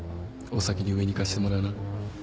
お先に上に行かせてもらうな。